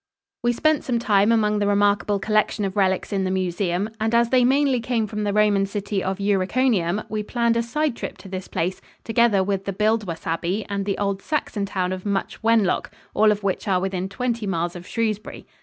We spent some time among the remarkable collection of relics in the museum, and as they mainly came from the Roman city of Uriconium, we planned a side trip to this place, together with Buildwas Abbey and the old Saxon town of Much Wenlock, all of which are within twenty miles of Shrewsbury.